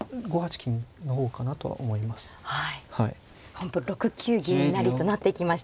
本譜６九銀成と成っていきました。